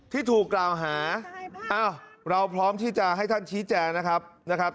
ที่ถูกกล่าวหาเอ้าเราพร้อมที่จะให้ท่านชี้แจนะครับ